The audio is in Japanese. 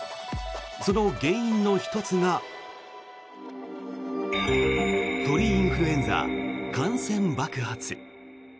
その原因の１つが鳥インフルエンザ感染爆発。